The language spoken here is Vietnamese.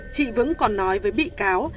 chị vững còn nói với bị cáo